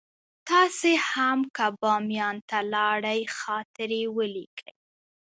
تاسې هم که باميان ته لاړئ خاطرې ولیکئ.